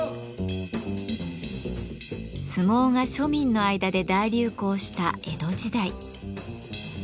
相撲が庶民の間で大流行した江戸時代。